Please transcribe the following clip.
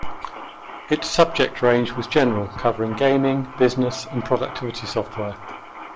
Its subject range was general, covering gaming, business, and productivity software.